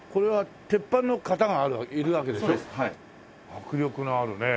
迫力のあるね。